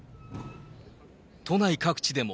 都内各地でも。